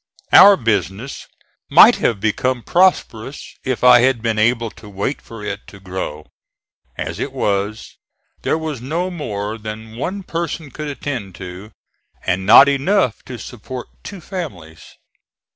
Our business might have become prosperous if I had been able to wait for it to grow. As it was, there was no more than one person could attend to, and not enough to support two families.